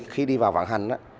khi đi vào vận hành